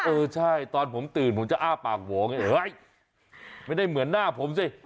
เออใช่ตอนผมตื่นผมจะอ้าปากโหวไงเฮ้ยไม่ได้เหมือนหน้าผมสิ